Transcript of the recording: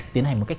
tiến hành một cách